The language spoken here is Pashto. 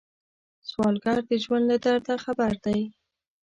سوالګر د ژوند له درده خبر دی